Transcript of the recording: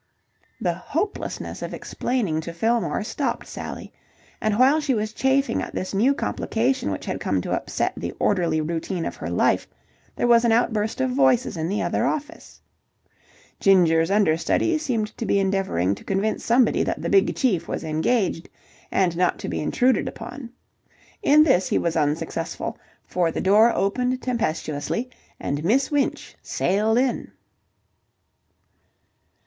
The hopelessness of explaining to Fillmore stopped Sally. And while she was chafing at this new complication which had come to upset the orderly routine of her life there was an outburst of voices in the other office. Ginger's understudy seemed to be endeavouring to convince somebody that the Big Chief was engaged and not to be intruded upon. In this he was unsuccessful, for the door opened tempestuously and Miss Winch sailed in.